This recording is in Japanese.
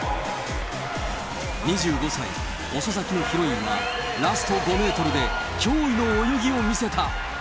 ２５歳、遅咲きのヒロインは、ラスト５メートルで驚異の泳ぎを見せた。